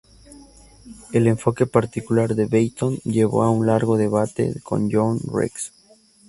El enfoque particular de Banton llevó a un largo debate con John Rex.